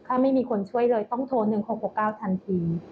ถ้าไม่มีคนช่วยเลยต้องโทร๑๖๖๙ทันที